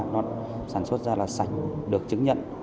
nó sản xuất ra là sạch được chứng nhận